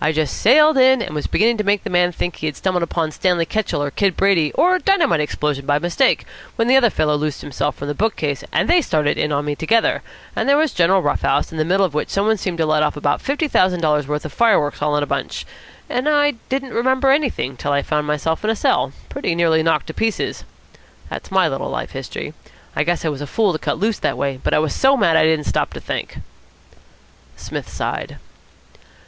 I just sailed in, and was beginning to make the man think that he had stumbled on Stanley Ketchel or Kid Brady or a dynamite explosion by mistake, when the other fellow loosed himself from the bookcase, and they started in on me together, and there was a general rough house, in the middle of which somebody seemed to let off about fifty thousand dollars' worth of fireworks all in a bunch; and I didn't remember anything more till I found myself in a cell, pretty nearly knocked to pieces. That's my little life history. I guess I was a fool to cut loose that way, but I was so mad I didn't stop to think." Psmith sighed.